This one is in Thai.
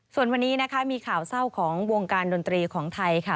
ส่วนวันนี้นะคะมีข่าวเศร้าของวงการดนตรีของไทยค่ะ